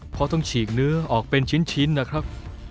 เพราะต้องฉีกเนื้อออกเป็นชิ้นนะครับ